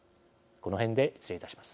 このへんで失礼いたします。